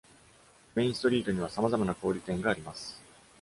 メインストリートには様々な小売店があります。